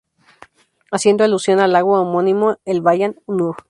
Haciendo alusión al lago homónimo, el Bаyan nuur.